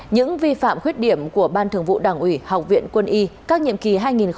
những vi phạm khuyết điểm của ban thường vụ đảng ủy học viện quân y các nhiệm kỳ hai nghìn một mươi năm